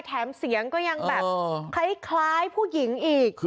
แถมเสียงก็แคล้คล้ายผู้หญิงอีก